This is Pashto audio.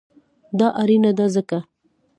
دا اړینه ده ځکه: